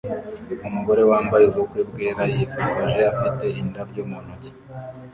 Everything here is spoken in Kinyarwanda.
Umugore wambaye ubukwe bwera yifotoje afite Indabyo mu ntoki